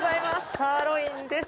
サーロインです。